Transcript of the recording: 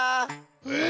え！